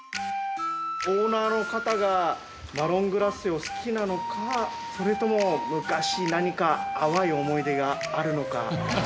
オーナーの方がマロングラッセを好きなのかそれとも昔何か淡い思い出があるのか。